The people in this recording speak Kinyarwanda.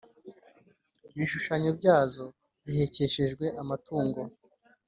ibishushanyo byazo bihekeshejwe amatungo.